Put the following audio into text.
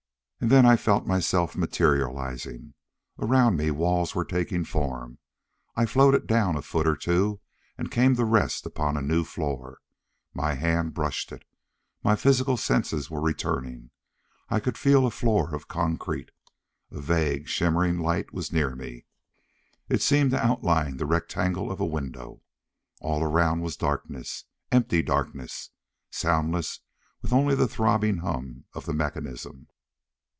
And then I felt myself materializing. Around me walls were taking form. I floated down a foot or two and came to rest upon a new floor. My hand brushed it. My physical senses were returning. I could feel a floor of concrete. A vague, shimmering light was near me. It seemed to outline the rectangle of a window. All around was darkness. Empty darkness. Soundless, with only the throbbing hum of the mechanism....